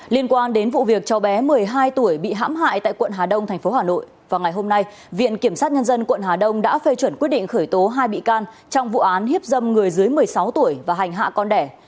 liên quan đến vụ việc cho bé một mươi hai tuổi bị hãm hại tại quận hà đông tp hà nội vào ngày hôm nay viện kiểm sát nhân dân quận hà đông đã phê chuẩn quyết định khởi tố hai bị can trong vụ án hiếp dâm người dưới một mươi sáu tuổi và hành hạ con đẻ